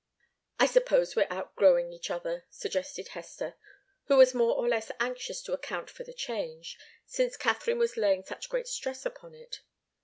"I suppose we're outgrowing each other," suggested Hester, who was more or less anxious to account for the change, since Katharine was laying such great stress upon it.